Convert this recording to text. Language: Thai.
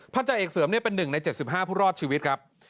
จาเอกเสริมเป็น๑ใน๗๕ผู้รอดชีวิตครับ